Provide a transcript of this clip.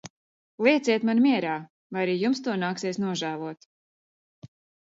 Lieciet mani mierā, vai arī jums to nāksies nožēlot!